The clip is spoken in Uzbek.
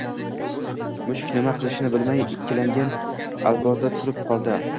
Mushuk nima qilishini bilmay, ikkilangan alpozda turib qoldi